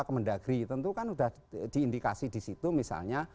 kementerian negeri tentu kan sudah diindikasi di situ misalnya